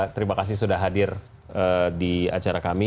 terima kasih sudah hadir di acara kami